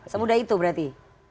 semudah itu berarti